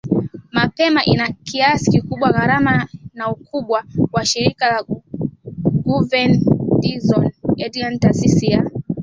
mapema ina kiasi kikubwa gharama na ukubwa wa shirika Guver Dzhon Edgar Taasisi ya